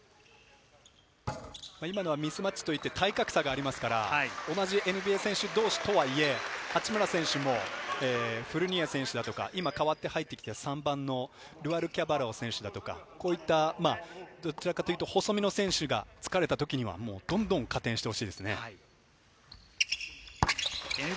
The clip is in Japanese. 今のはミスマッチといって体格差がありますから、同じＮＢＡ選手同士とはいえ、八村選手もフルニエ選手や今代わって入ってきた３番のルワウ・キャバロ選手とか、どちらかというと細身の選手がつかれた時は、どんどん加点してほしいです。